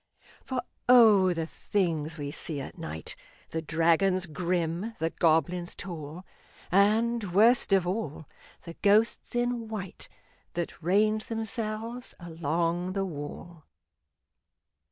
For O! the things we see at night The dragons grim, the goblins tall, And, worst of all, the ghosts in white That range themselves along the wall!